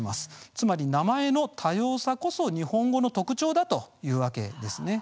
つまり名前の多様さこそ日本語の特徴だというわけです。